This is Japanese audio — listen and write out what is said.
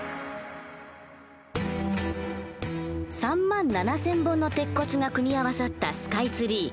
３万７，０００本の鉄骨が組み合わさったスカイツリー。